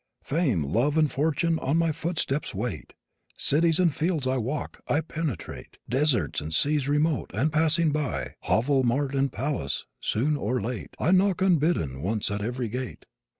Fame, Love and Fortune on my footsteps wait; Cities and fields I walk; I penetrate Deserts and seas remote, and passing by Hovel and mart and palace, soon or late I knock unbidden once at every gate.